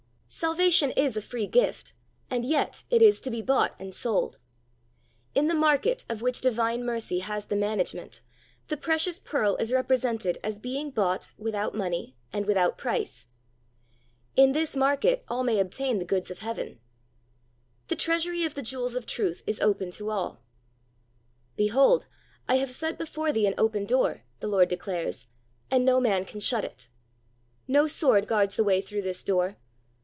Salvation is a free gift, and yet it is to be bought and sold. In the market of which divine mercy has the man agement, the precious pearl is represented as being bought without money and without price. In this market all ma} 'John I : II, 5 The Pearl wj obtain the goods of heaven. The treasury of the jewels of truth is open to all. "Behold, I have set before thee an open door," the Lord declares, "and no man can shut it." No sword guards the way through this door.